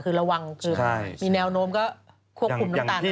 คือระวังคือมีแนวโน้มก็ควบคุมน้ำตาล